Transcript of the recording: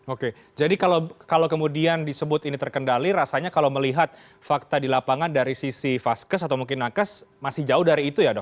oke jadi kalau kemudian disebut ini terkendali rasanya kalau melihat fakta di lapangan dari sisi vaskes atau mungkin nakes masih jauh dari itu ya dok